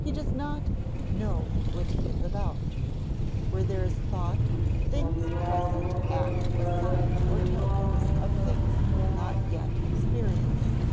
He does not "know what he is about." Where there is thought, things present act as signs or tokens of things not yet experienced.